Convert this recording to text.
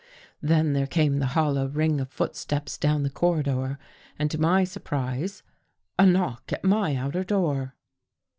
Then there came the hollow ring of footsteps down the corridor and, to my surprise, a knock at my outer door.